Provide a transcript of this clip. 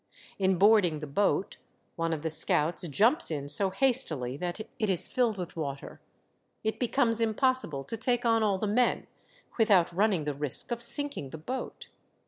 In boarding the boat, one of the scouts jumps in so hastily that it is filled with water. It becomes impossible to take on all the men without running the risk of sinking the boat.